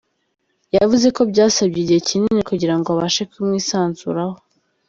Yavuze ko byasabye igihe kinini kugirango abashe kumwisanzuraho.